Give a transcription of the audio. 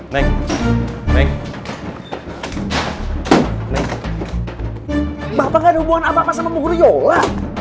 bapak gak ada hubungan apa apa sama bu guru yola